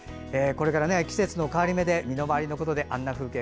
これから季節の変わり目で身の回りのことであんな風景